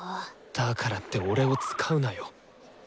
だからって俺を使うなよ。